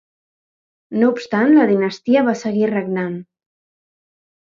No obstant la dinastia va seguir regnant.